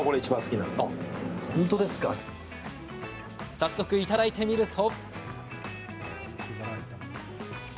早速、いただいてみると。